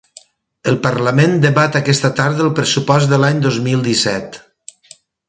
El parlament debat aquesta tarda el pressupost de l’any dos mil disset.